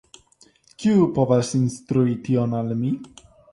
Kiu povas instrui tion al mi?